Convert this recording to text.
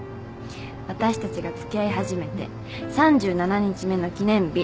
私たちがつきあい始めて３７日目の記念日。